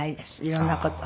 色んな事を。